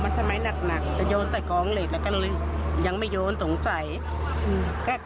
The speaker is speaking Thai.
มันทำยังไงนักนักโดนใส่กองเหล็กหลิงยังไม่โยนสงสัยอืม